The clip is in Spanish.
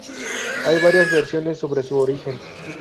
Hay varias versiones sobre su origen.